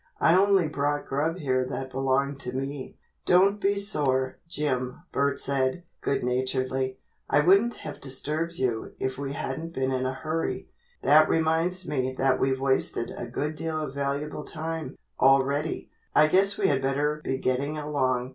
"I only brought grub here that belonged to me." "Don't be sore, Jim," Bert said, good naturedly. "I wouldn't have disturbed you if we hadn't been in a hurry. That reminds me that we've wasted a good deal of valuable time, already. I guess we had better be getting along."